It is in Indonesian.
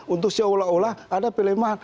untuk seolah olah ada pelemahan